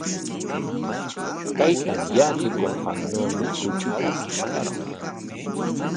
Taytan yatsikunqannawmi kuchita pishtarqan.